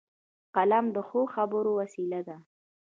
قلم د ښو خبرو وسیله ده